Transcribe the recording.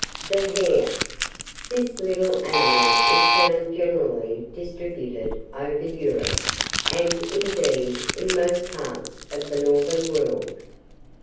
THE HARE. This little animal is found generally distributed over Europe, and, indeed, in most parts of the northern world.